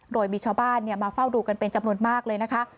โดยมีชาวบ้านมาเฝ้าดูกันเป็นจำนวนมากเลยนะคะ